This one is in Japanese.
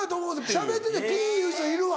しゃべっててピいう人いるわ。